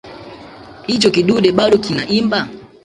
Hicho kidude bado kinaimba